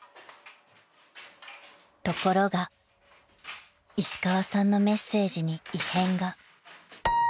［ところが石川さんのメッセージに異変が］